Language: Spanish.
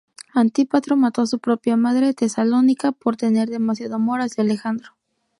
Antípatro mató a su propia madre Tesalónica por tener demasiado amor hacia Alejandro.